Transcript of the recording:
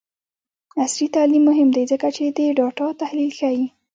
عصري تعلیم مهم دی ځکه چې د ډاټا تحلیل ښيي.